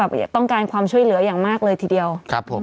ต้องการความช่วยเหลืออย่างมากเลยทีเดียวครับผม